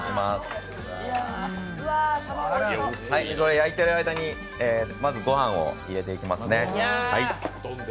焼いてる間にまず御飯を入れていきますね。